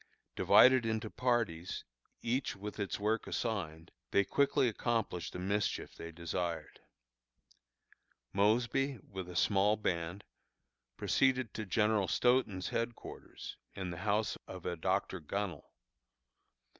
Divided into parties, each with its work assigned, they quickly accomplished the mischief they desired. Mosby, with a small band, proceeded to General Stoughton's headquarters, in the house of a Dr. Gunnel.